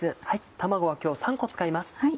卵は今日３個使います。